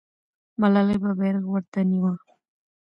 ملالۍ به بیرغ ورته نیوه.